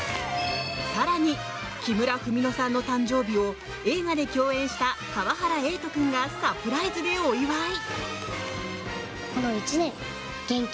更に、木村文乃さんの誕生日を映画で共演した川原瑛都君がサプライズでお祝い！